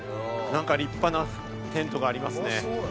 立派なテントがありますね。